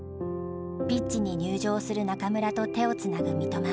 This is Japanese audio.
ピッチに入場する中村と手をつなぐ三笘。